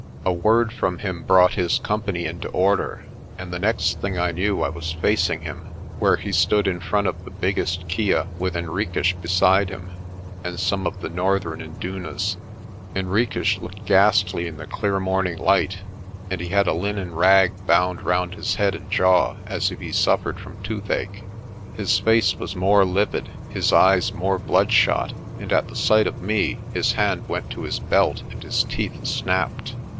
A word from him brought his company into order, and the next thing I knew I was facing him where he stood in front of the biggest kya with Henriques beside him, and some of the northern indunas. Henriques looked ghastly in the clear morning light and he had a linen rag bound round his head and jaw, as if he suffered from toothache. His face was more livid, his eyes more bloodshot, and at the sight of me his hand went to his belt and his teeth snapped.